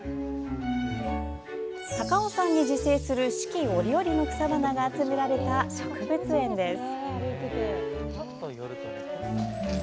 高尾山に自生する四季折々の草花が集められた、植物園です。